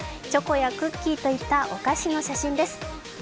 チョコやクッキーといったお菓子の写真です。